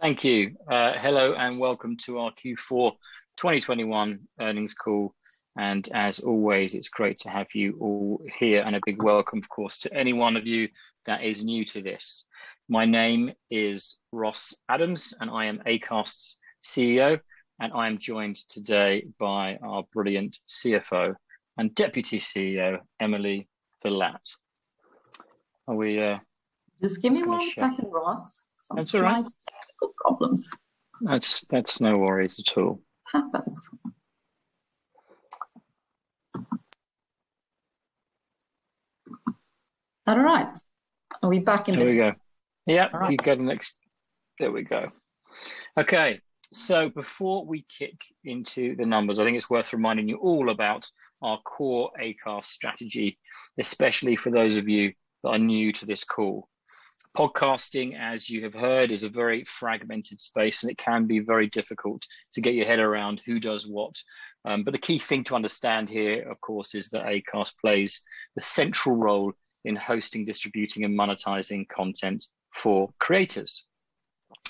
Thank you. Hello, and welcome to our Q4 2021 earnings call. As always, it's great to have you all here, and a big welcome, of course, to any one of you that is new to this. My name is Ross Adams, and I am Acast's CEO, and I am joined today by our brilliant CFO and Deputy CEO, Emily Villatte. Are we, Just give me one second, Ross. That's all right. Some technical problems. That's no worries at all. Happens. Is that all right? Are we back in business? Here we go. Yep. All right. Before we kick into the numbers, I think it's worth reminding you all about our core Acast strategy, especially for those of you that are new to this call. Podcasting, as you have heard, is a very fragmented space, and it can be very difficult to get your head around who does what. The key thing to understand here, of course, is that Acast plays the central role in hosting, distributing, and monetizing content for creators.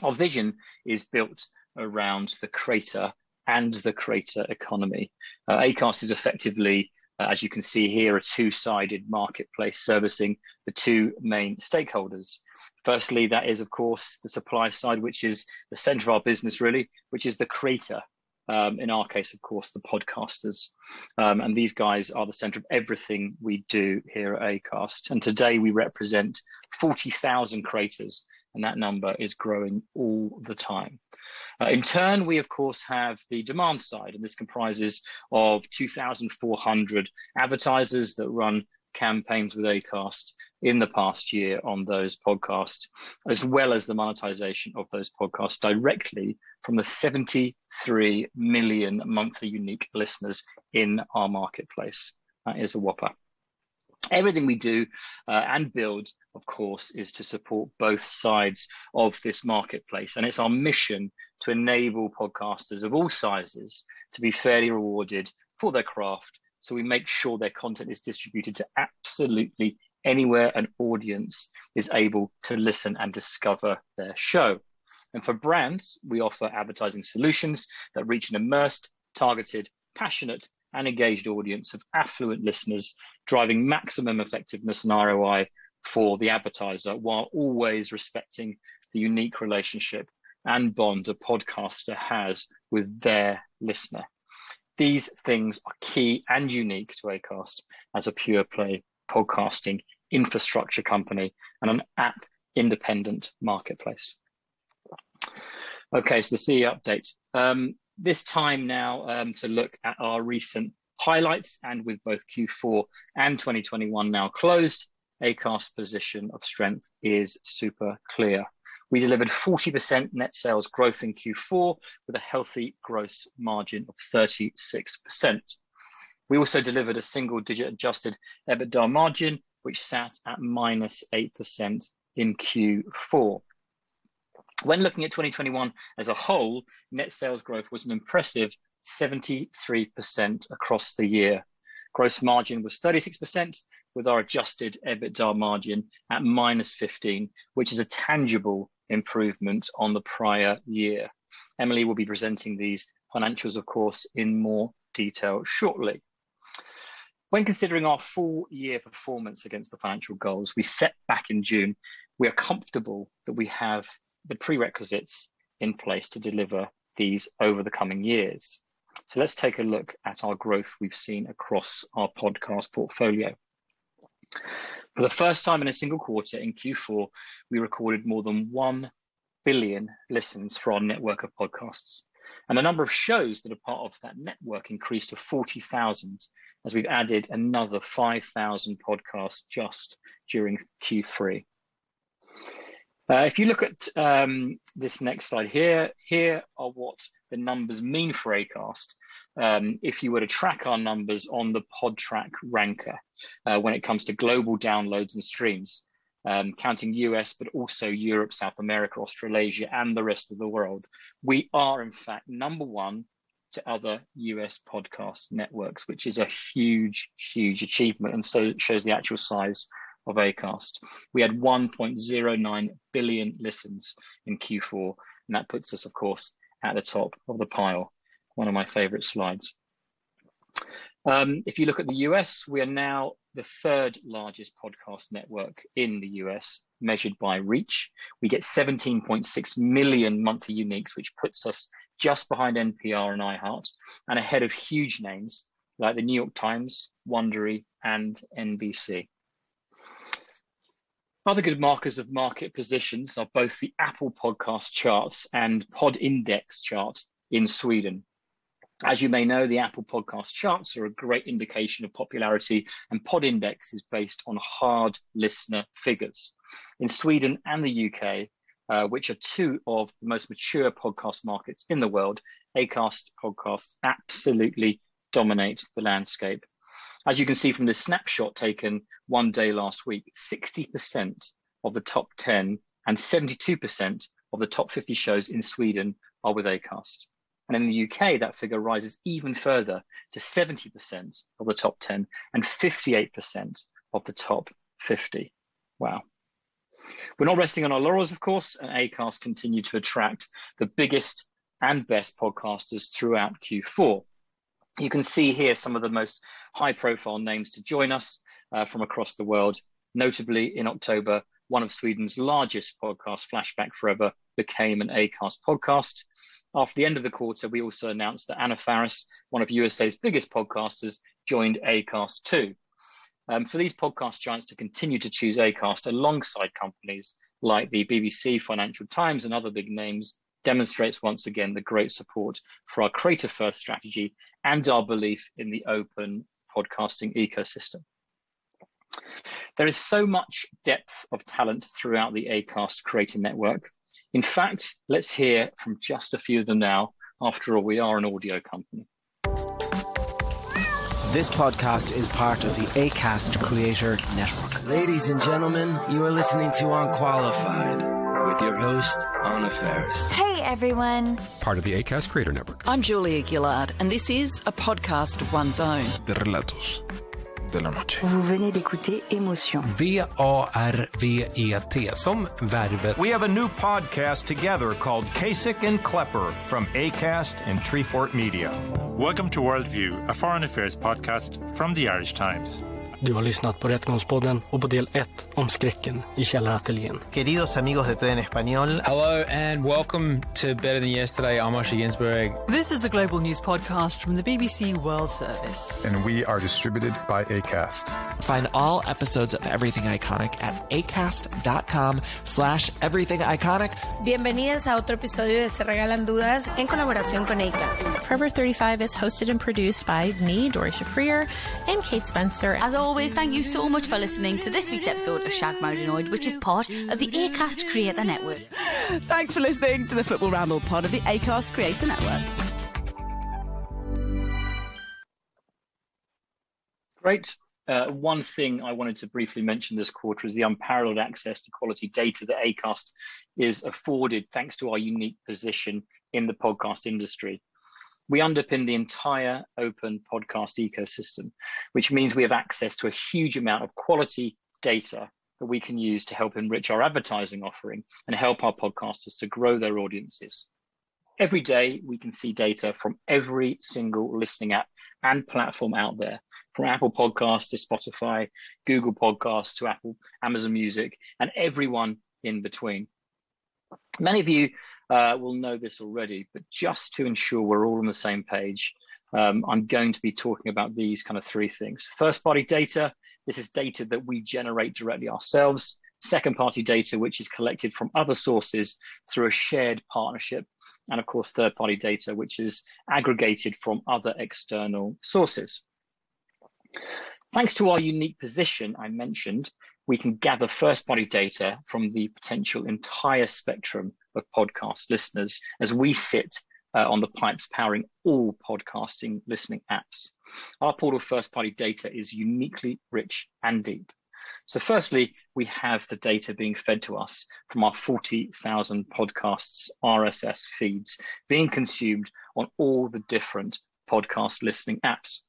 Our vision is built around the creator and the creator economy. Acast is effectively, as you can see here, a two-sided marketplace servicing the two main stakeholders. Firstly, that is, of course, the supply side, which is the center of our business really, which is the creator. In our case, of course, the podcasters. These guys are the center of everything we do here at Acast. Today, we represent 40,000 creators, and that number is growing all the time. In turn, we of course have the demand side, and this comprises 2,400 advertisers that run campaigns with Acast in the past year on those podcasts, as well as the monetization of those podcasts directly from the 73 million monthly unique listeners in our marketplace. That is a whopper. Everything we do and build, of course, is to support both sides of this marketplace, and it's our mission to enable podcasters of all sizes to be fairly rewarded for their craft. We make sure their content is distributed to absolutely anywhere an audience is able to listen and discover their show. For brands, we offer advertising solutions that reach an immersed, targeted, passionate, and engaged audience of affluent listeners, driving maximum effectiveness and ROI for the advertiser while always respecting the unique relationship and bond a podcaster has with their listener. These things are key and unique to Acast as a pure play podcasting infrastructure company and an app-independent marketplace. Okay, so the CEO update. This time now, to look at our recent highlights, with both Q4 and 2021 now closed, Acast's position of strength is super clear. We delivered 40% net sales growth in Q4 with a healthy gross margin of 36%. We also delivered a single digit adjusted EBITDA margin, which sat at -8% in Q4. When looking at 2021 as a whole, net sales growth was an impressive 73% across the year. Gross margin was 36% with our adjusted EBITDA margin at -15%, which is a tangible improvement on the prior year. Emily will be presenting these financials, of course, in more detail shortly. When considering our full year performance against the financial goals we set back in June, we are comfortable that we have the prerequisites in place to deliver these over the coming years. Let's take a look at our growth we've seen across our podcast portfolio. For the first time in a single quarter in Q4, we recorded more than 1 billion listens for our network of podcasts. The number of shows that are part of that network increased to 40,000 as we've added another 5,000 podcasts just during Q3. If you look at this next slide, here are what the numbers mean for Acast. If you were to track our numbers on the Podtrac ranker, when it comes to global downloads and streams, counting U.S., but also Europe, South America, Australasia, and the rest of the world, we are in fact number one to other U.S. podcast networks, which is a huge, huge achievement and so shows the actual size of Acast. We had 1.09 billion listens in Q4, and that puts us, of course, at the top of the pile. One of my favorite slides. If you look at the U.S., we are now the third-largest podcast network in the U.S., measured by reach. We get 17.6 million monthly uniques, which puts us just behind NPR and iHeartMedia and ahead of huge names like The New York Times, Wondery, and NBC. Other good markers of market positions are both the Apple Podcasts charts and Podtrac charts in Sweden. As you may know, the Apple Podcasts charts are a great indication of popularity, and Podtrac is based on hard listener figures. In Sweden and the U.K., which are two of the most mature podcast markets in the world, Acast podcasts absolutely dominate the landscape. As you can see from this snapshot taken one day last week, 60% of the top 10 and 72% of the top 50 shows in Sweden are with Acast. In the U.K., that figure rises even further to 70% of the top 10 and 58% of the top 50. Wow. We're not resting on our laurels, of course, Acast continue to attract the biggest and best podcasters throughout Q4. You can see here some of the most high-profile names to join us from across the world. Notably, in October, one of Sweden's largest podcasts, Flashback Forever, became an Acast podcast. After the end of the quarter, we also announced that Anna Faris, one of USA's biggest podcasters, joined Acast too. For these podcast giants to continue to choose Acast alongside companies like the BBC, Financial Times and other big names demonstrates, once again, the great support for our creator-first strategy and our belief in the open podcasting ecosystem. There is so much depth of talent throughout the Acast Creator Network. In fact, let's hear from just a few of them now. After all, we are an audio company. This podcast is part of the Acast Creator Network. Ladies and gentlemen, you are listening to Unqualified with your host, Anna Faris. Hey, everyone. Part of the Acast Creator Network. I'm Julia Gillard, and this is a podcast of one's own. We have a new podcast together called Kasich & Klepper from Acast and Treefort Media. Welcome to World View, a foreign affairs podcast from The Irish Times. Hello, and welcome to Better Than Yesterday. I'm Osher Günsberg. This is the Global News Podcast from the BBC World Service. We are distributed by Acast. Find all episodes of Everything Iconic at acast.com/everythingiconic. Forever35 is hosted and produced by me, Doree Shafrir, and Kate Spencer. As always, thank you so much for listening to this week's episode of Shagged Married Annoyed, which is part of the Acast Creator Network. Thanks for listening to the Football Ramble, part of the Acast Creator Network. Great. One thing I wanted to briefly mention this quarter is the unparalleled access to quality data that Acast is afforded thanks to our unique position in the podcast industry. We underpin the entire open podcast ecosystem, which means we have access to a huge amount of quality data that we can use to help enrich our advertising offering and help our podcasters to grow their audiences. Every day, we can see data from every single listening app and platform out there, from Apple Podcasts to Spotify, Google Podcasts to Apple, Amazon Music, and everyone in between. Many of you will know this already, but just to ensure we're all on the same page, I'm going to be talking about these kind of three things. First-party data. This is data that we generate directly ourselves. Second-party data, which is collected from other sources through a shared partnership. Of course, third-party data, which is aggregated from other external sources. Thanks to our unique position I mentioned, we can gather first-party data from the potential entire spectrum of podcast listeners as we sit on the pipes powering all podcasting listening apps. Our pool of first-party data is uniquely rich and deep. Firstly, we have the data being fed to us from our 40,000 podcasts RSS feeds being consumed on all the different podcast listening apps.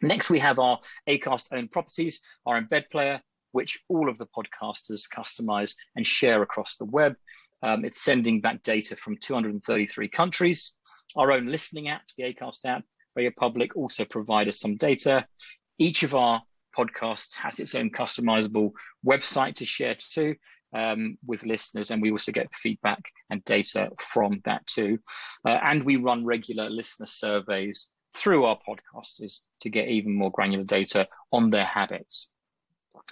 Next, we have our Acast-owned properties, our embed player, which all of the podcasters customize and share across the web. It's sending back data from 233 countries. Our own listening apps, the Acast app, RadioPublic, also provide us some data. Each of our podcasts has its own customizable website to share to with listeners, and we also get feedback and data from that too. We run regular listener surveys through our podcasters to get even more granular data on their habits.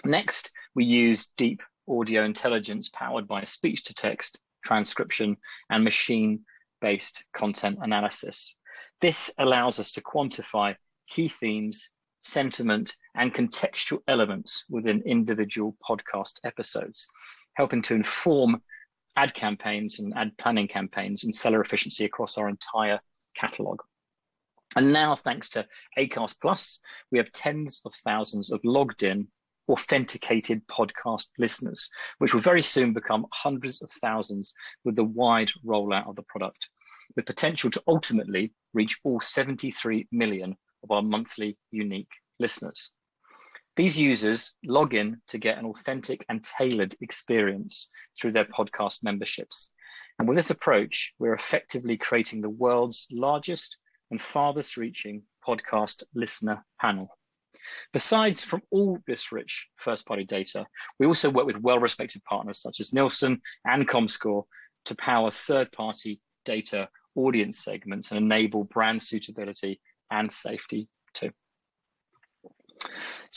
Next, we use deep audio intelligence powered by speech-to-text transcription and machine-based content analysis. This allows us to quantify key themes, sentiment, and contextual elements within individual podcast episodes, helping to inform ad campaigns and ad planning campaigns and seller efficiency across our entire catalog. Now, thanks to Acast+, we have tens of thousands of logged-in, authenticated podcast listeners, which will very soon become hundreds of thousands with the wide rollout of the product, with potential to ultimately reach all 73 million of our monthly unique listeners. These users log in to get an authentic and tailored experience through their podcast memberships. With this approach, we're effectively creating the world's largest and farthest-reaching podcast listener panel. Besides from all this rich first-party data, we also work with well-respected partners such as Nielsen and Comscore to power third-party data audience segments and enable brand suitability and safety too.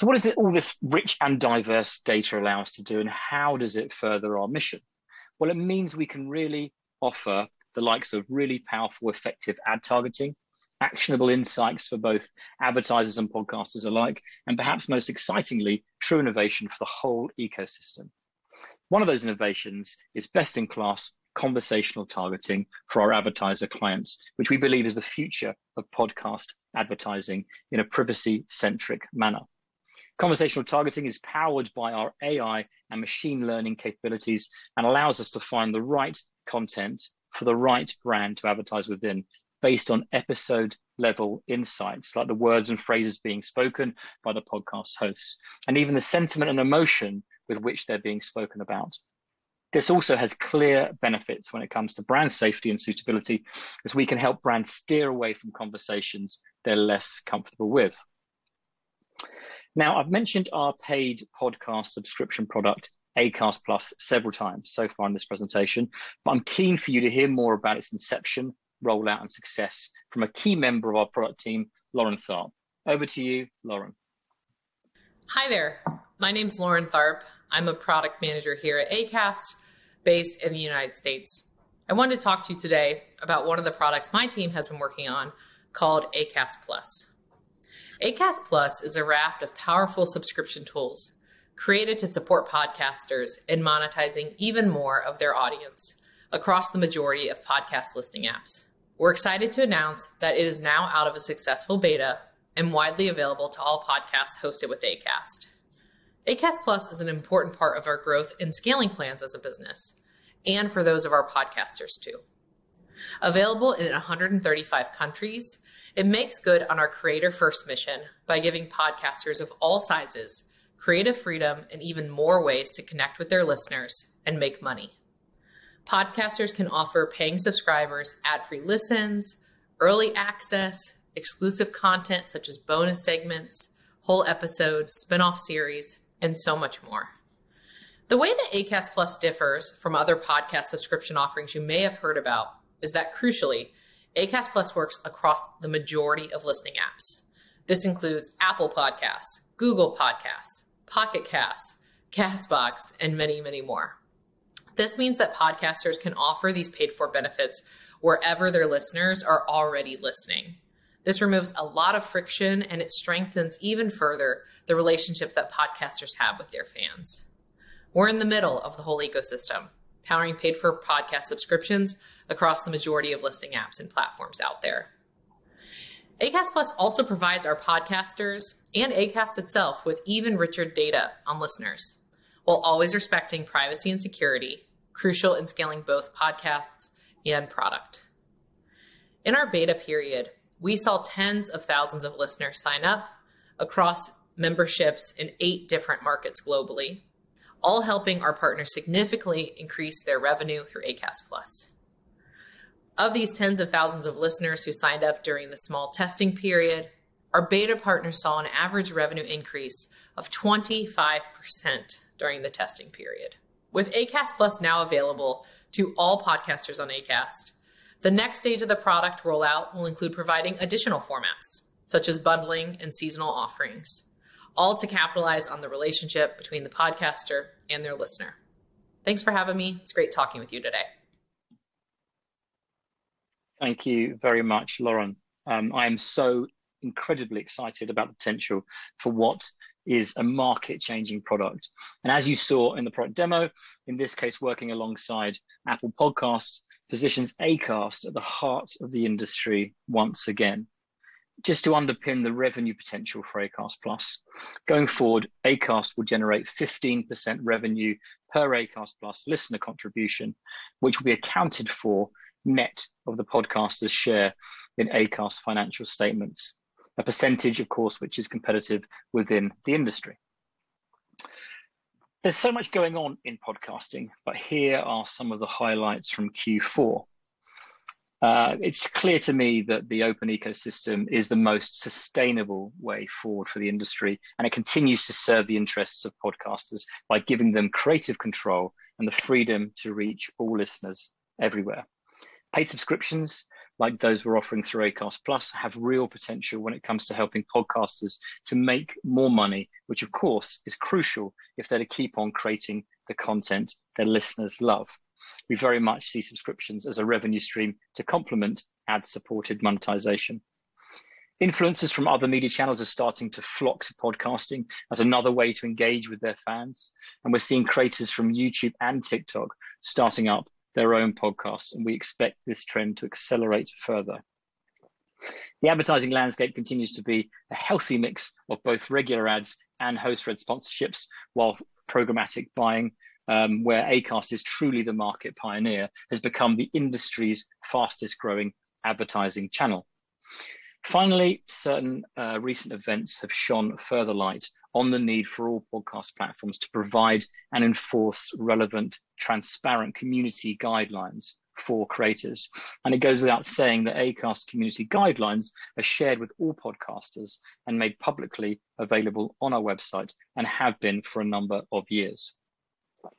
What does all this rich and diverse data allow us to do, and how does it further our mission? Well, it means we can really offer the likes of really powerful, effective ad targeting, actionable insights for both advertisers and podcasters alike, and perhaps most excitingly, true innovation for the whole ecosystem. One of those innovations is best-in-class Conversational Targeting for our advertiser clients, which we believe is the future of podcast advertising in a privacy-centric manner. Conversational Targeting is powered by our AI and machine learning capabilities, and allows us to find the right content for the right brand to advertise within based on episode-level insights, like the words and phrases being spoken by the podcast hosts, and even the sentiment and emotion with which they're being spoken about. This also has clear benefits when it comes to brand safety and suitability, as we can help brands steer away from conversations they're less comfortable with. Now, I've mentioned our paid podcast subscription product, Acast+, several times so far in this presentation, but I'm keen for you to hear more about its inception, rollout, and success from a key member of our product team, Lauren Tharp. Over to you, Lauren. Hi there. My name's Lauren Tharp. I'm a product manager here at Acast, based in the United States. I wanted to talk to you today about one of the products my team has been working on called Acast+. Acast+ is a raft of powerful subscription tools created to support podcasters in monetizing even more of their audience across the majority of podcast listening apps. We're excited to announce that it is now out of a successful beta and widely available to all podcasts hosted with Acast. Acast+ is an important part of our growth and scaling plans as a business, and for those of our podcasters too. Available in 135 countries, it makes good on our creator-first mission by giving podcasters of all sizes creative freedom and even more ways to connect with their listeners and make money. Podcasters can offer paying subscribers ad-free listens, early access, exclusive content such as bonus segments, whole episodes, spin-off series, and so much more. The way that Acast+ differs from other podcast subscription offerings you may have heard about is that, crucially, Acast+ works across the majority of listening apps. This includes Apple Podcasts, Google Podcasts, Pocket Casts, Castbox, and many, many more. This means that podcasters can offer these paid-for benefits wherever their listeners are already listening. This removes a lot of friction, and it strengthens even further the relationship that podcasters have with their fans. We're in the middle of the whole ecosystem, powering paid-for podcast subscriptions across the majority of listening apps and platforms out there. Acast+ also provides our podcasters and Acast itself with even richer data on listeners, while always respecting privacy and security, crucial in scaling both podcasts and product. In our beta period, we saw tens of thousands of listeners sign up across memberships in eight different markets globally, all helping our partners significantly increase their revenue through Acast+. Of these tens of thousands of listeners who signed up during the small testing period, our beta partners saw an average revenue increase of 25% during the testing period. With Acast+ now available to all podcasters on Acast, the next stage of the product rollout will include providing additional formats, such as bundling and seasonal offerings, all to capitalize on the relationship between the podcaster and their listener. Thanks for having me. It's great talking with you today. Thank you very much, Lauren. I am so incredibly excited about the potential for what is a market-changing product. As you saw in the product demo, in this case, working alongside Apple Podcasts positions Acast at the heart of the industry once again. Just to underpin the revenue potential for Acast+, going forward, Acast will generate 15% revenue per Acast+ listener contribution, which will be accounted for net of the podcaster's share in Acast financial statements. A percentage, of course, which is competitive within the industry. There's so much going on in podcasting, but here are some of the highlights from Q4. It's clear to me that the open ecosystem is the most sustainable way forward for the industry, and it continues to serve the interests of podcasters by giving them creative control and the freedom to reach all listeners everywhere. Paid subscriptions, like those we're offering through Acast+, have real potential when it comes to helping podcasters to make more money, which of course is crucial if they're to keep on creating the content their listeners love. We very much see subscriptions as a revenue stream to complement ad-supported monetization. Influencers from other media channels are starting to flock to podcasting as another way to engage with their fans, and we're seeing creators from YouTube and TikTok starting up their own podcasts, and we expect this trend to accelerate further. The advertising landscape continues to be a healthy mix of both regular ads and host-read sponsorships, while programmatic buying, where Acast is truly the market pioneer, has become the industry's fastest-growing advertising channel. Finally, certain recent events have shone further light on the need for all podcast platforms to provide and enforce relevant, transparent community guidelines for creators. It goes without saying that Acast community guidelines are shared with all podcasters and made publicly available on our website and have been for a number of years.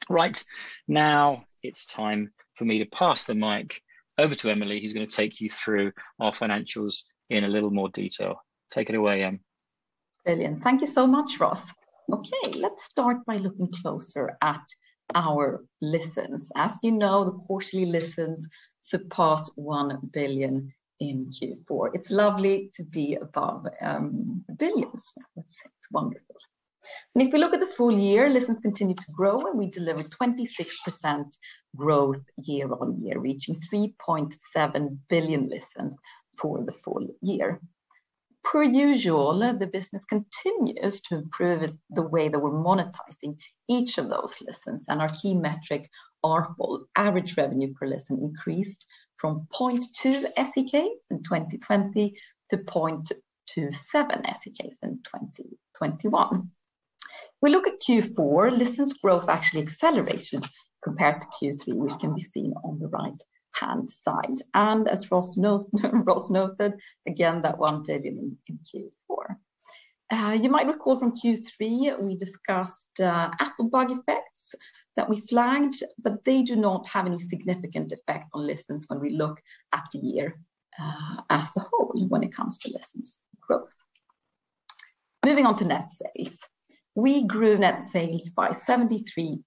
Right. Now, it's time for me to pass the mic over to Emily, who's gonna take you through our financials in a little more detail. Take it away, Em. Brilliant. Thank you so much, Ross. Okay, let's start by looking closer at our listens. As you know, the quarterly listens surpassed 1 billion in Q4. It's lovely to be above the billions. It's wonderful. If we look at the full year, listens continued to grow, and we delivered 26% growth year-over-year, reaching 3.7 billion listens for the full year. Per usual, the business continues to improve the way that we're monetizing each of those listens and our key metric, our average revenue per listen increased from 0.2 SEK in 2020 to 0.27 SEK in 2021. We look at Q4, listens growth actually accelerated compared to Q3, which can be seen on the right-hand side. As Ross noted, again, that 1 billion in Q4. You might recall from Q3, we discussed Apple bug effects that we flagged, but they do not have any significant effect on listens when we look at the year as a whole when it comes to listens growth. Moving on to net sales. We grew net sales by 73%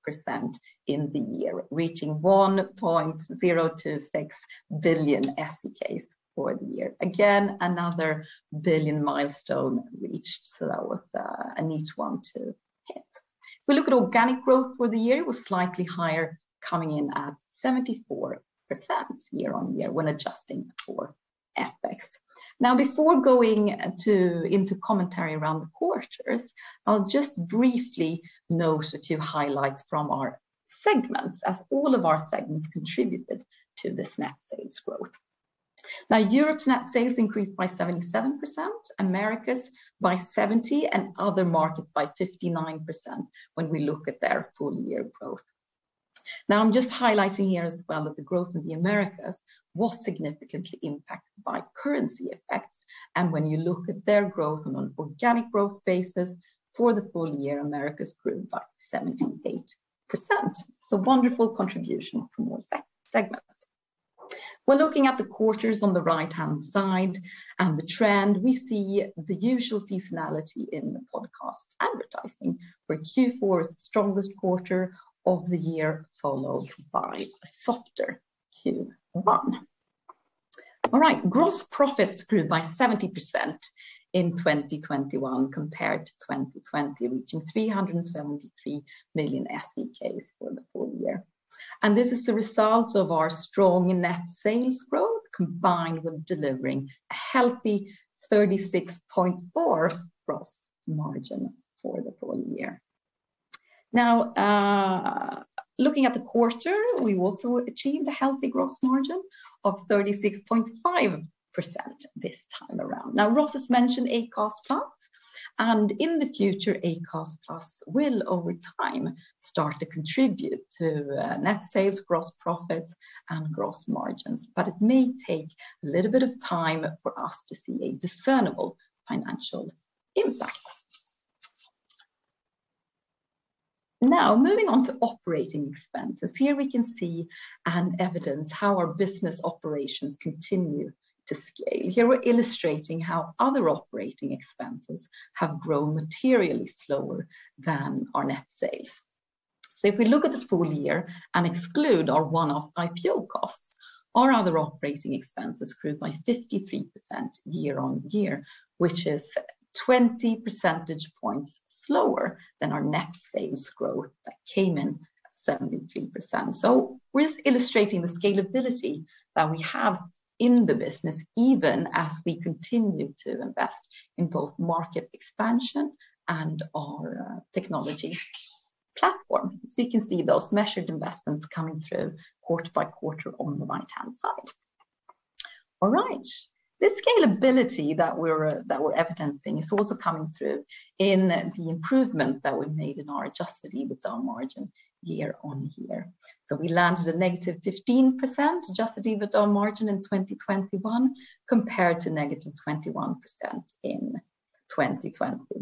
in the year, reaching 1.026 billion SEK for the year. Again, another billion milestone reached, so that was a neat one to hit. If we look at organic growth for the year, it was slightly higher, coming in at 74% year-on-year when adjusting for FX. Now before going into commentary around the quarters, I'll just briefly note a few highlights from our segments, as all of our segments contributed to this net sales growth. Europe's net sales increased by 77%, Americas by 70%, and other markets by 59% when we look at their full-year growth. I'm just highlighting here as well that the growth in the Americas was significantly impacted by currency effects. When you look at their growth on an organic growth basis for the full year, Americas grew by 78%. Wonderful contribution from all segments. We're looking at the quarters on the right-hand side and the trend. We see the usual seasonality in the podcast advertising, where Q4 is the strongest quarter of the year, followed by a softer Q1. All right. Gross profits grew by 70% in 2021 compared to 2020, reaching 373 million SEK for the full year. This is the result of our strong net sales growth, combined with delivering a healthy 36.4% gross margin for the full year. Now, looking at the quarter, we've also achieved a healthy gross margin of 36.5% this time around. Now, Ross has mentioned Acast+, and in the future, Acast+ will, over time, start to contribute to net sales, gross profits, and gross margins. It may take a little bit of time for us to see a discernible financial impact. Now, moving on to operating expenses. Here we can see evidence of how our business operations continue to scale. Here we're illustrating how other operating expenses have grown materially slower than our net sales. If we look at the full year and exclude our one-off IPO costs, our other operating expenses grew by 53% year-on-year, which is 20 percentage points slower than our net sales growth that came in at 73%. We're just illustrating the scalability that we have in the business, even as we continue to invest in both market expansion and our technology platform. You can see those measured investments coming through quarter by quarter on the right-hand side. All right. This scalability that we're evidencing is also coming through in the improvement that we've made in our adjusted EBITDA margin year-on-year. We landed a 15% -adjusted EBITDA margin in 2021 compared to -21% in 2020.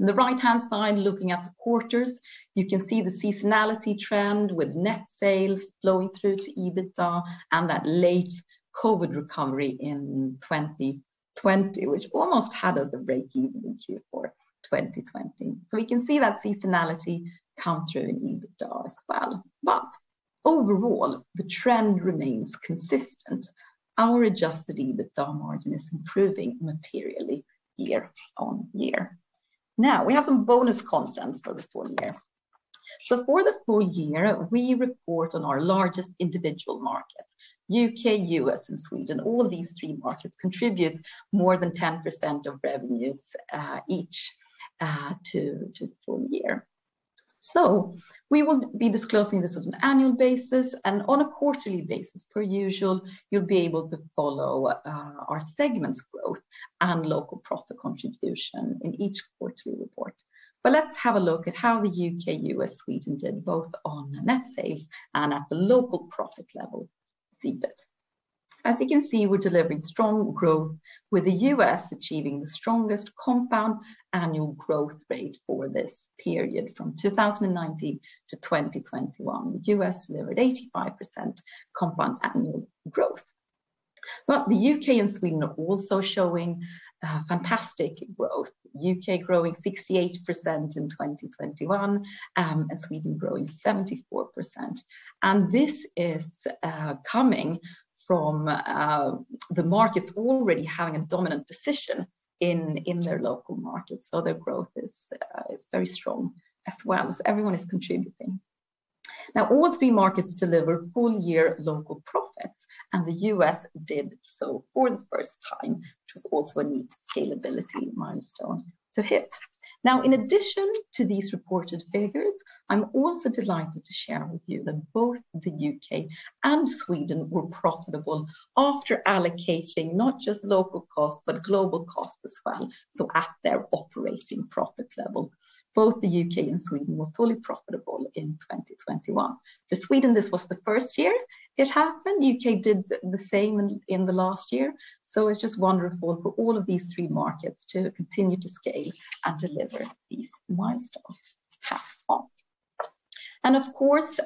On the right-hand side, looking at the quarters, you can see the seasonality trend with net sales flowing through to EBITDA and that late COVID recovery in 2020, which almost had us at breakeven in Q4 2020. We can see that seasonality come through in EBITDA as well. Overall, the trend remains consistent. Our adjusted EBITDA margin is improving materially year-on-year. Now, we have some bonus content for the full year. For the full year, we report on our largest individual markets, U.K., U.S., and Sweden. All these three markets contribute more than 10% of revenues, each, to full year. We will be disclosing this on an annual basis and on a quarterly basis. Per usual, you'll be able to follow our segments growth and local profit contribution in each quarterly report. Let's have a look at how the U.K., U.S., Sweden did both on the net sales and at the local profit level, EBIT. As you can see, we're delivering strong growth with the U.S. achieving the strongest compound annual growth rate for this period from 2019 to 2021. U.S. delivered 85% compound annual growth. The U.K. and Sweden are also showing fantastic growth. U.K. growing 68% in 2021, and Sweden growing 74%. This is coming from the markets already having a dominant position in their local markets. Their growth is very strong as well. Everyone is contributing. Now all three markets deliver full-year local profits, and the U.S. did so for the first time, which was also a neat scalability milestone to hit. Now, in addition to these reported figures, I'm also delighted to share with you that both the U.K. and Sweden were profitable after allocating not just local costs but global costs as well, so at their operating profit level. Both the U.K. and Sweden were fully profitable in 2021. For Sweden, this was the first year it happened. U.K. did the same in the last year. It's just wonderful for all of these three markets to continue to scale and deliver these milestones. Hats off. Of course,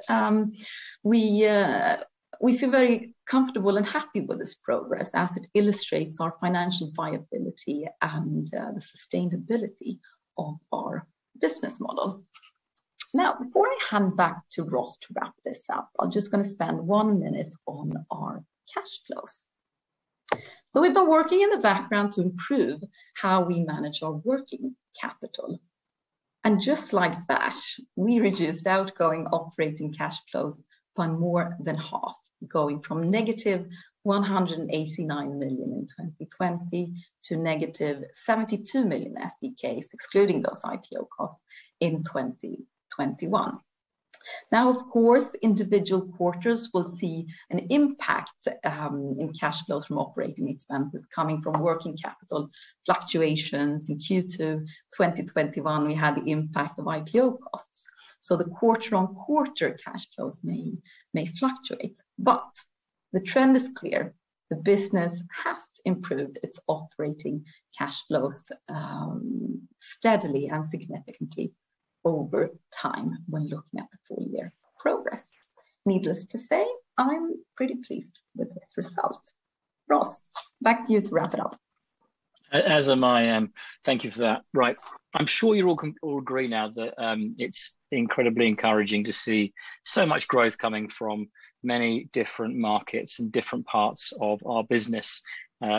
we feel very comfortable and happy with this progress as it illustrates our financial viability and the sustainability of our business model. Now, before I hand back to Ross to wrap this up, I'm just gonna spend one minute on our cash flows. We've been working in the background to improve how we manage our working capital. Just like that, we reduced outgoing operating cash flows by more than half, going from -189 million in 2020 to -72 million SEK, excluding those IPO costs, in 2021. Now, of course, individual quarters will see an impact in cash flows from operating expenses coming from working capital fluctuations. In Q2 2021, we had the impact of IPO costs. The quarter-on-quarter cash flows may fluctuate, but the trend is clear. The business has improved its operating cash flows steadily and significantly over time when looking at the full year progress. Needless to say, I'm pretty pleased with this result. Ross, back to you to wrap it up. As am I, thank you for that. Right. I'm sure you all agree now that it's incredibly encouraging to see so much growth coming from many different markets and different parts of our business.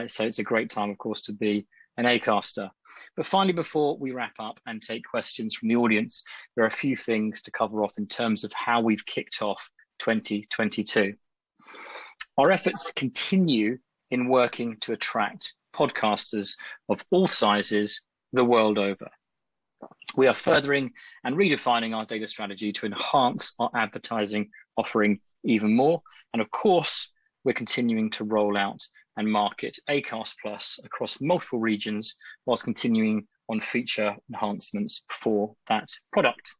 So it's a great time, of course, to be an Acastor. But finally, before we wrap up and take questions from the audience, there are a few things to cover off in terms of how we've kicked off 2022. Our efforts continue in working to attract podcasters of all sizes the world over. We are furthering and redefining our data strategy to enhance our advertising offering even more. Of course, we're continuing to roll out and market Acast+ across multiple regions whilst continuing on feature enhancements for that product.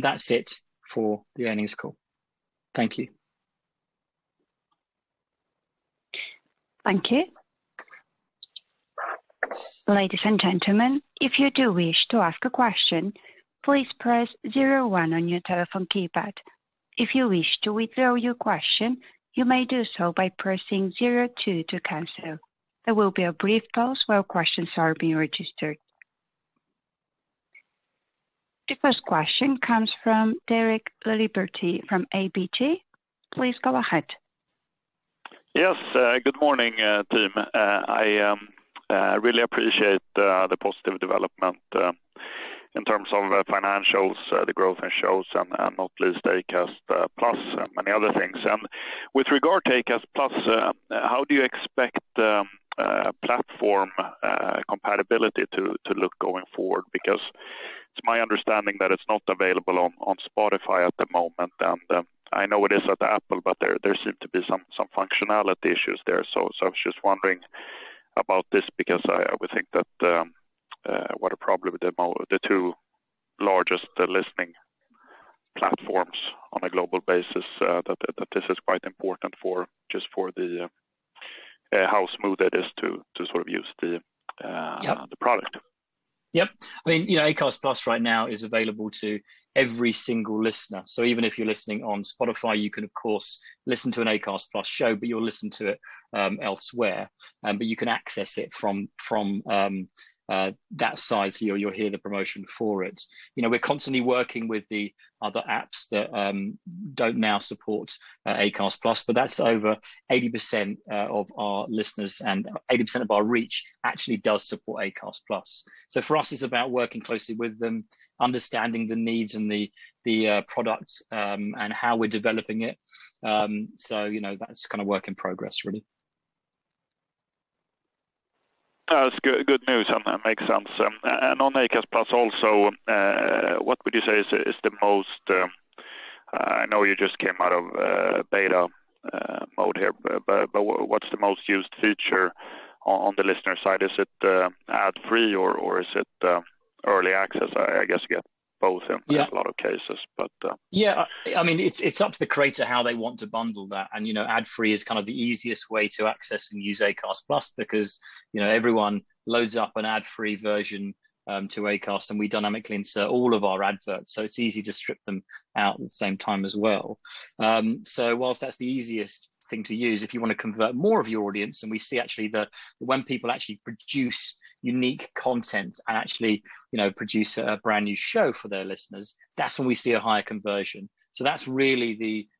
That's it for the earnings call. Thank you. The first question comes from Derek Laliberte from ABG. Please go ahead. Yes, good morning, team. I really appreciate the positive development in terms of financials, the growth in shows and not least Acast+ and many other things. With regard to Acast+, how do you expect platform compatibility to look going forward? Because it's my understanding that it's not available on Spotify at the moment, and I know it is at Apple, but there seem to be some functionality issues there. I was just wondering about this because I would think that what a problem with the two largest listening platforms on a global basis, that this is quite important for just for the how smooth it is to sort of use the- Yep product. Yep. I mean, you know, Acast+ right now is available to every single listener. Even if you're listening on Spotify, you can of course listen to an Acast+ show, but you'll listen to it elsewhere. You can access it from that side, so you'll hear the promotion for it. You know, we're constantly working with the other apps that don't now support Acast+, but that's over 80% of our listeners and 80% of our reach actually does support Acast+. For us, it's about working closely with them, understanding the needs and the products, and how we're developing it. You know, that's kind of work in progress, really. It's good news and that makes sense. On Acast+ also, what would you say is the most? I know you just came out of beta mode here, but what's the most used feature on the listener side? Is it ad-free or is it early access? I guess you get both in- Yeah a lot of cases, but. Yeah. I mean, it's up to the creator how they want to bundle that. You know, ad-free is kind of the easiest way to access and use Acast+ because, you know, everyone loads up an ad-free version to Acast, and we dynamically insert all of our adverts, so it's easy to strip them out at the same time as well. Whilst that's the easiest thing to use, if you wanna convert more of your audience, and we see actually that when people actually produce unique content and actually, you know, produce a brand-new show for their listeners, that's when we see a higher conversion. That's really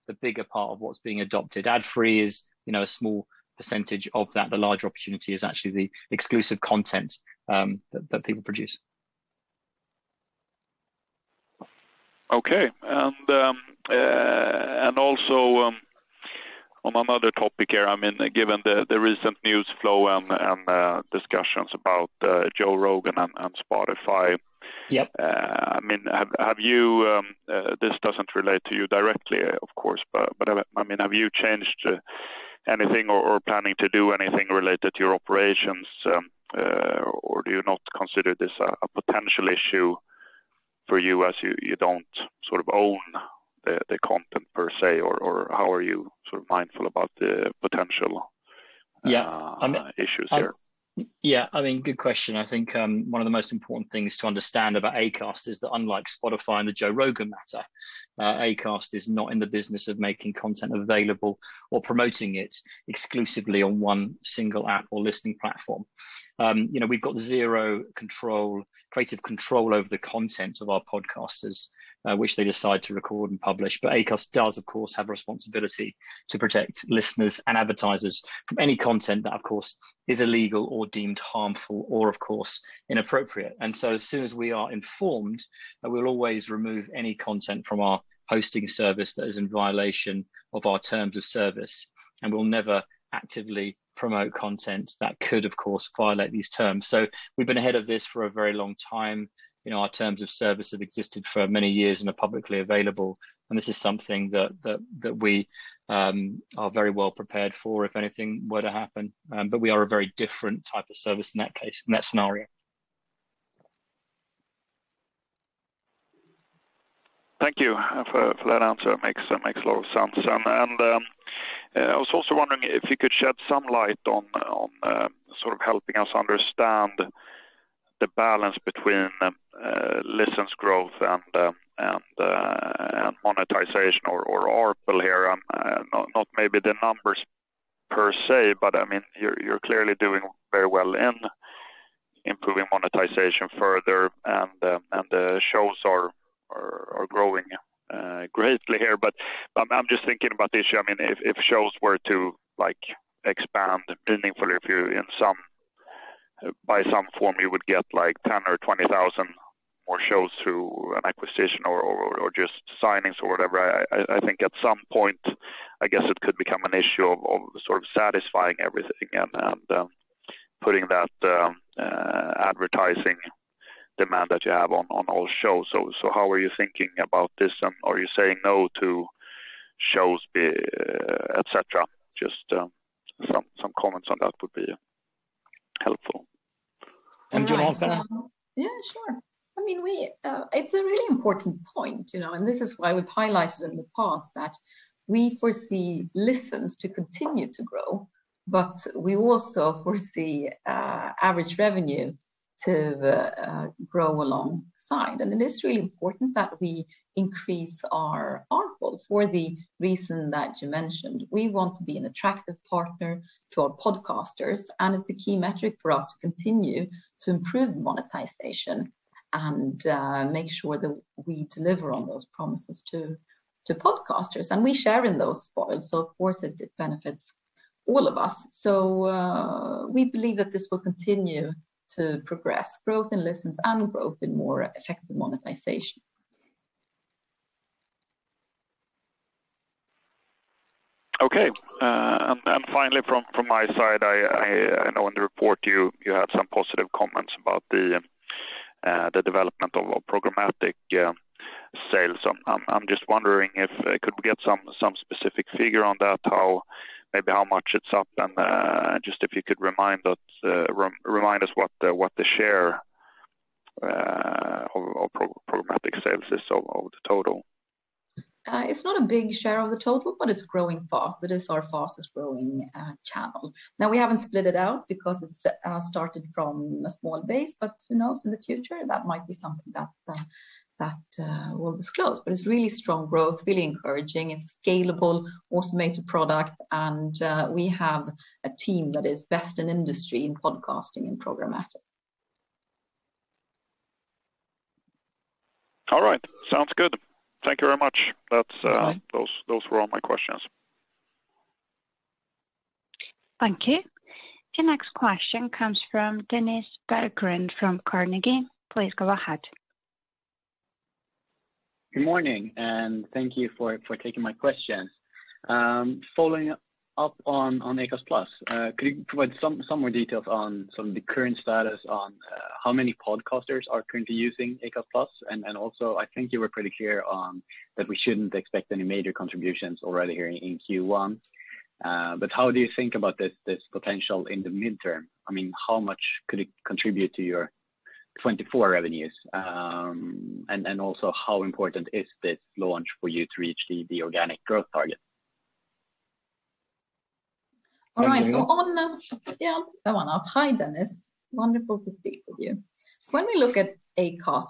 the bigger part of what's being adopted. Ad-free is, you know, a small percentage of that. The larger opportunity is actually the exclusive content that people produce. Also, on another topic here, I mean, given the recent news flow and discussions about Joe Rogan and Spotify. Yep. I mean, this doesn't relate to you directly of course, but I mean, have you changed anything or planning to do anything related to your operations? Do you not consider this a potential issue for you as you don't sort of own the content per se? How are you sort of mindful about the potential- Yeah, I mean. issues here? Yeah, I mean, good question. I think one of the most important things to understand about Acast is that unlike Spotify and the Joe Rogan matter, Acast is not in the business of making content available or promoting it exclusively on one single app or listening platform. You know, we've got zero control, creative control over the content of our podcasters, which they decide to record and publish. Acast does, of course, have a responsibility to protect listeners and advertisers from any content that, of course, is illegal or deemed harmful or of course inappropriate. As soon as we are informed, we'll always remove any content from our hosting service that is in violation of our terms of service, and we'll never actively promote content that could, of course, violate these terms. We've been ahead of this for a very long time. You know, our terms of service have existed for many years and are publicly available, and this is something that we are very well prepared for if anything were to happen. We are a very different type of service in that case, in that scenario. Thank you for that answer. It makes a lot of sense. I was also wondering if you could shed some light on sort of helping us understand the balance between listens growth and monetization or ARPU here. Not maybe the numbers per se, but I mean, you're clearly doing very well in improving monetization further, and the shows are growing greatly here. I'm just thinking about the issue, I mean, if shows were to like expand meaningfully if you by some form you would get like 10,000 or 20,000 more shows through an acquisition or just signings or whatever. I think at some point, I guess it could become an issue of sort of satisfying everything and putting that advertising demand that you have on all shows. How are you thinking about this, are you saying no to shows, et cetera? Just some comments on that would be helpful. All right. Yeah, sure. I mean, we, it's a really important point, you know, and this is why we've highlighted in the past that we foresee listens to continue to grow, but we also foresee average revenue to grow alongside. It is really important that we increase our ARPU for the reason that you mentioned. We want to be an attractive partner to our podcasters, and it's a key metric for us to continue to improve monetization and make sure that we deliver on those promises to podcasters. We share in those spoils, so of course it benefits all of us. We believe that this will continue to progress growth in listens and growth in more effective monetization. Okay. Finally, from my side, I know in the report you had some positive comments about the development of programmatic sales. I'm just wondering if we could get some specific figure on that, maybe how much it's up and just if you could remind us what the share of programmatic sales is of the total. It's not a big share of the total, but it's growing fast. It is our fastest growing channel. Now we haven't split it out because it's started from a small base, but who knows, in the future that might be something that we'll disclose. But it's really strong growth, really encouraging. It's scalable, automated product, and we have a team that is best in industry in podcasting and programmatic. All right. Sounds good. Thank you very much. That's. That's fine. Those were all my questions. Thank you. The next question comes from Dennis Berggren from Carnegie. Please go ahead. Good morning and thank you for taking my questions. Following up on Acast+, could you provide some more details on some of the current status on how many podcasters are currently using Acast+? Also, I think you were pretty clear on that we shouldn't expect any major contributions already here in Q1. But how do you think about this potential in the midterm? I mean, how much could it contribute to your 2024 revenues? And also how important is this launch for you to reach the organic growth target? All right. And you- Hi, Dennis. Wonderful to speak with you. When we look at Acast+,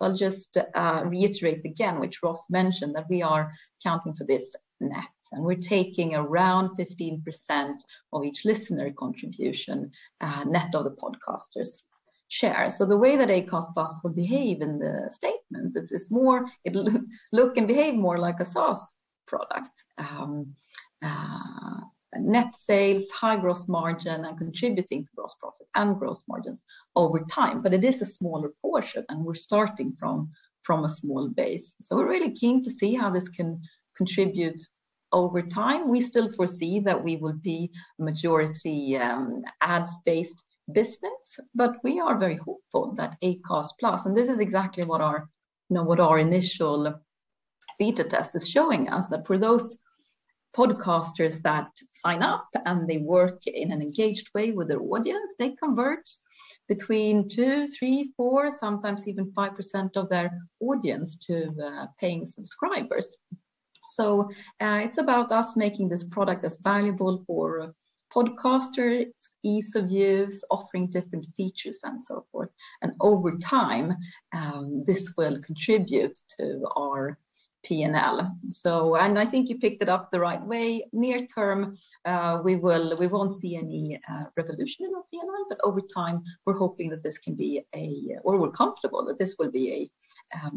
I'll just reiterate again, which Ross mentioned, that we are accounting for this net, and we're taking around 15% of each listener contribution, net of the podcasters' share. The way that Acast+ will behave in the statements, it's more. It'll look and behave more like a SaaS product. Net sales, high gross margin, and contributing to gross profit and gross margins over time. It is a smaller portion, and we're starting from a small base. We're really keen to see how this can contribute over time. We still foresee that we will be majority ads-based business, we are very hopeful that Acast+. This is exactly what our, you know, what our initial beta test is showing us, that for those podcasters that sign up and they work in an engaged way with their audience, they convert between 2, 3, 4, sometimes even 5% of their audience to paying subscribers. It's about us making this product as valuable for podcasters, ease of use, offering different features and so forth. Over time, this will contribute to our P&L. I think you picked it up the right way, near term, we won't see any revolution in our P&L, but over time, we're hoping that this can be a or we're comfortable that this will be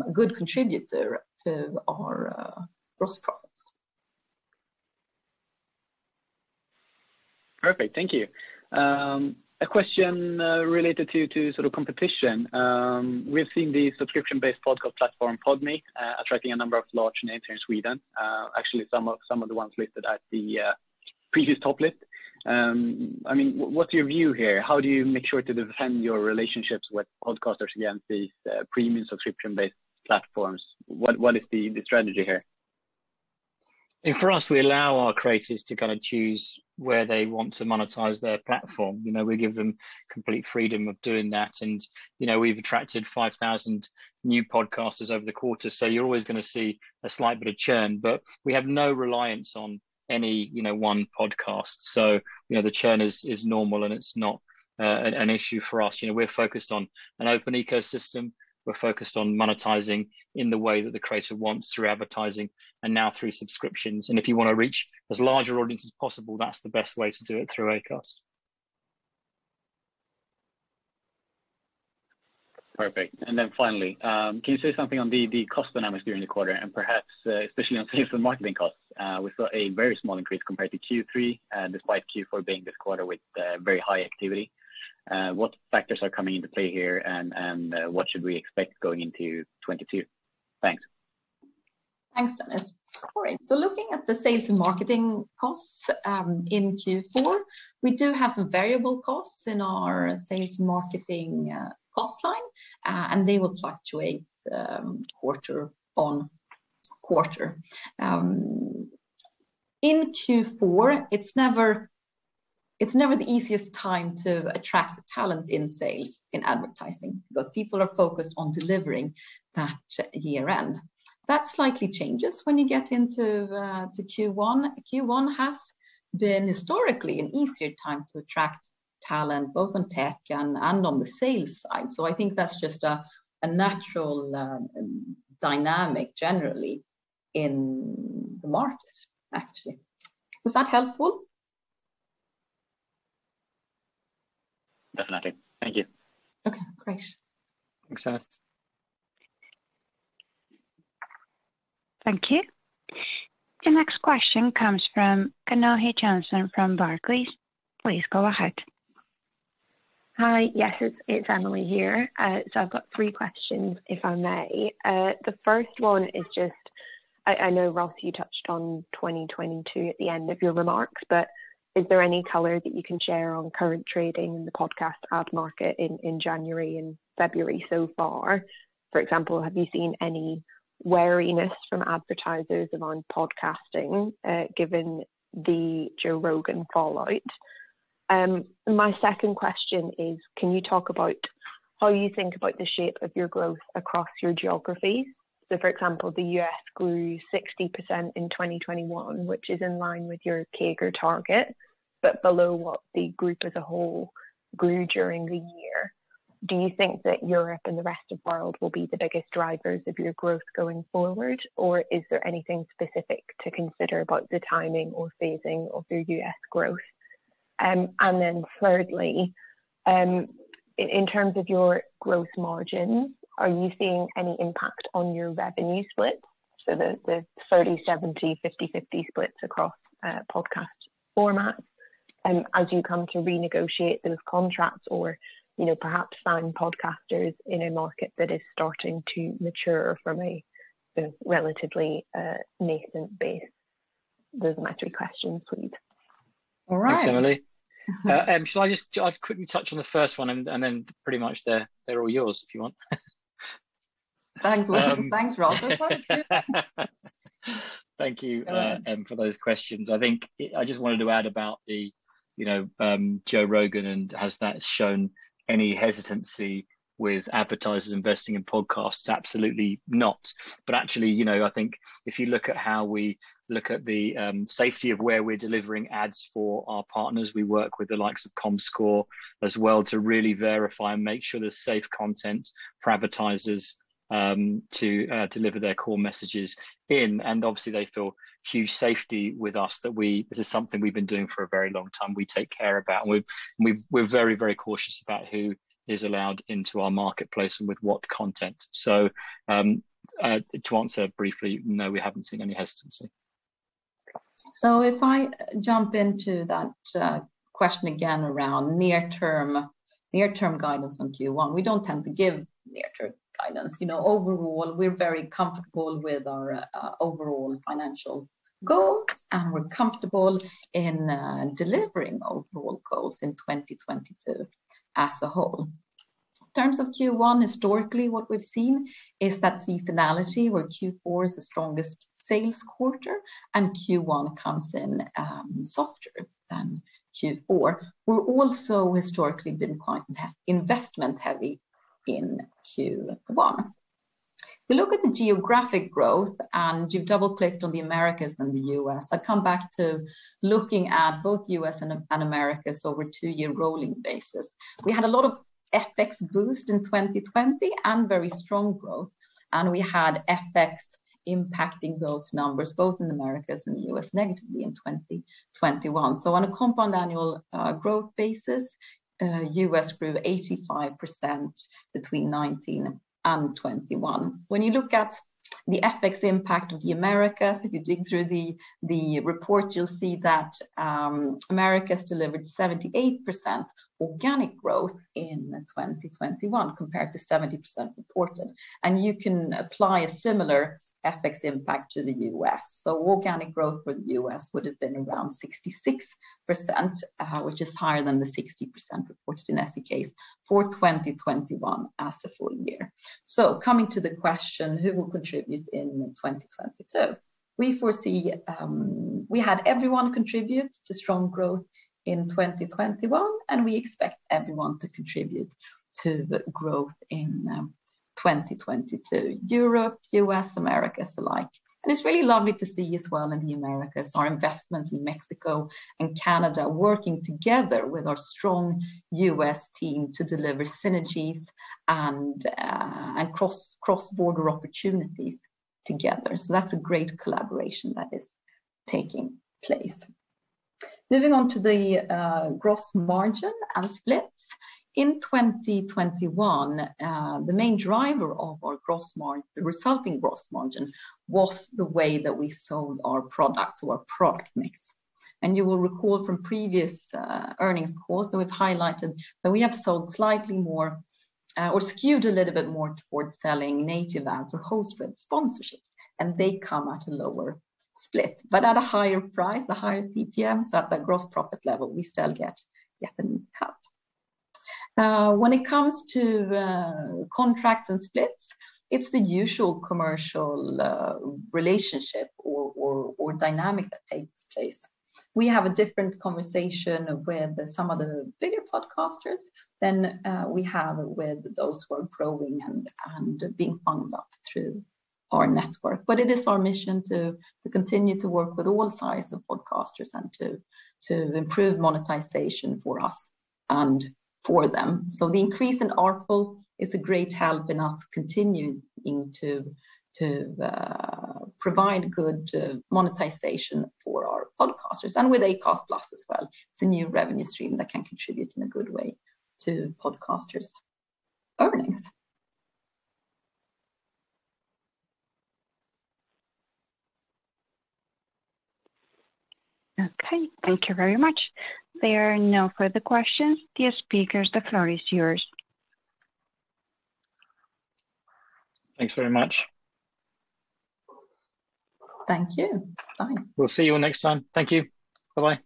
a good contributor to our gross profits. Perfect. Thank you. A question related to sort of competition. We've seen the subscription-based podcast platform Podme attracting a number of large names here in Sweden, actually some of the ones listed at the previous top list. I mean, what's your view here? How do you make sure to defend your relationships with podcasters against these premium subscription-based platforms? What is the strategy here? For us, we allow our creators to kind of choose where they want to monetize their platform. You know, we give them complete freedom of doing that. You know, we've attracted 5,000 new podcasters over the quarter, so you're always gonna see a slight bit of churn. We have no reliance on any, you know, one podcast. You know, the churn is normal, and it's not an issue for us. You know, we're focused on an open ecosystem. We're focused on monetizing in the way that the creator wants through advertising and now through subscriptions. If you wanna reach as large an audience as possible, that's the best way to do it, through Acast. Perfect. Finally, can you say something on the cost dynamics during the quarter and perhaps especially on sales and marketing costs? We saw a very small increase compared to Q3 despite Q4 being this quarter with very high activity. What factors are coming into play here, and what should we expect going into 2022? Thanks. Thanks, Dennis. All right. Looking at the sales and marketing costs in Q4, we do have some variable costs in our sales and marketing cost line. They will fluctuate quarter on quarter. In Q4, it's never the easiest time to attract talent in sales in advertising, because people are focused on delivering that year-end. That slightly changes when you get into Q1. Q1 has been historically an easier time to attract talent, both on tech and on the sales side. I think that's just a natural dynamic generally in the market, actually. Was that helpful? Definitely. Thank you. Okay, great. Thanks, Dennis. Thank you. The next question comes from [Kanohi] Johnson from Barclays. Please go ahead. Hi. Yes, it's Emily here. So I've got three questions, if I may. The first one is just, I know, Ross, you touched on 2022 at the end of your remarks, but is there any color that you can share on current trading in the podcast ad market in January and February so far? For example, have you seen any wariness from advertisers around podcasting, given the Joe Rogan fallout? My second question is, can you talk about how you think about the shape of your growth across your geographies? For example, the U.S. grew 60% in 2021, which is in line with your CAGR target, but below what the group as a whole grew during the year. Do you think that Europe and the rest of world will be the biggest drivers of your growth going forward? Is there anything specific to consider about the timing or phasing of your US growth? And then thirdly, in terms of your growth margins, are you seeing any impact on your revenue splits, so the 30/70, 50/50 splits across podcast formats, as you come to renegotiate those contracts or, you know, perhaps sign podcasters in a market that is starting to mature from a relatively nascent base? Those are my three questions, please. All right. Thanks, Emily. Em, shall I just. I'll quickly touch on the first one, and then pretty much they're all yours if you want. Thanks. Thanks, Ross. Thank you, Em, for those questions. I think I just wanted to add about the, you know, Joe Rogan and has that shown any hesitancy with advertisers investing in podcasts? Absolutely not. Actually, you know, I think if you look at how we look at the safety of where we're delivering ads for our partners, we work with the likes of Comscore as well to really verify and make sure there's safe content for advertisers to deliver their core messages in. Obviously, they feel huge safety with us that this is something we've been doing for a very long time, we take care about, and we're very, very cautious about who is allowed into our marketplace and with what content. To answer briefly, no, we haven't seen any hesitancy. If I jump into that question again around near-term guidance on Q1, we don't tend to give near-term guidance. You know, overall, we're very comfortable with our overall financial goals, and we're comfortable in delivering overall goals in 2022 as a whole. In terms of Q1, historically what we've seen is that seasonality, where Q4 is the strongest sales quarter and Q1 comes in softer than Q4. We're also historically been quite investment heavy in Q1. If you look at the geographic growth, and you've double-clicked on the Americas and the U.S., I come back to looking at both U.S. and Americas over two-year rolling basis. We had a lot of FX boost in 2020 and very strong growth, and we had FX impacting those numbers both in the Americas and the U.S. negatively in 2021. On a compound annual growth basis, U.S. grew 85% between 2019 and 2021. When you look at the FX impact of the Americas, if you dig through the report, you'll see that Americas delivered 78% organic growth in 2021 compared to 70% reported. You can apply a similar FX impact to the U.S. Organic growth for the U.S. would have been around 66%, which is higher than the 60% reported in SEK case for 2021 as a full year. Coming to the question, who will contribute in 2022? We had everyone contribute to strong growth in 2021, and we expect everyone to contribute to growth in 2022, Europe, U.S., Americas alike. It's really lovely to see as well in the Americas, our investments in Mexico and Canada working together with our strong U.S. team to deliver synergies and cross-border opportunities together. That's a great collaboration that is taking place. Moving on to the gross margin and splits. In 2021, the main driver of our gross mar- the resulting gross margin was the way that we sold our products or product mix. You will recall from previous earnings calls that we've highlighted that we have sold slightly more or skewed a little bit more towards selling native ads or host-read sponsorships, and they come at a lower split, but at a higher price, the higher CPMs at the gross profit level, we still get the cut. When it comes to contracts and splits, it's the usual commercial relationship or dynamic that takes place. We have a different conversation with some of the bigger podcasters than we have with those who are growing and being found up through our network. It is our mission to continue to work with all size of podcasters and to improve monetization for us and for them. The increase in ARPL is a great help in us continuing to provide good monetization for our podcasters and with Acast+ as well. It's a new revenue stream that can contribute in a good way to podcasters' earnings. Okay, thank you very much. There are no further questions. Dear speakers, the floor is yours. Thanks very much. Thank you. Bye. We'll see you all next time. Thank you. Bye-bye.